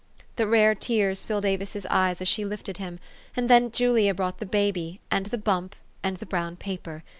The rare tears filled Avis's eyes as she lifted him ; and then Julia brought the baby, and the bump, and the brown paper.